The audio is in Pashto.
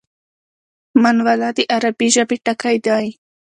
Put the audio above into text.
مناوله د عربي ژبی ټکی دﺉ.